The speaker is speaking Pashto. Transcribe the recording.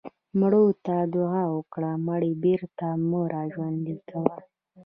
مړو ته دعا وکړئ مړي بېرته مه راژوندي کوئ.